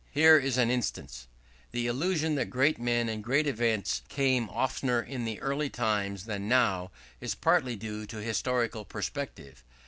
Here in an instance: "The illusion that great men and great events came oftener in early times than now, is partly due to historical perspective.